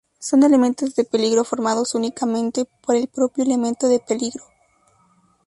Son elementos de peligro formados únicamente por el propio elemento de peligro.